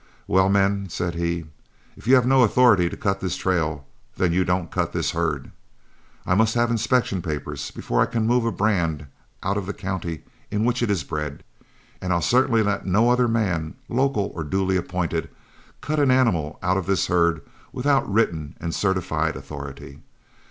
"Well, men," said he, "if you have no authority to cut this trail, then you don't cut this herd. I must have inspection papers before I can move a brand out of the county in which it is bred, and I'll certainly let no other man, local or duly appointed, cut an animal out of this herd without written and certified authority.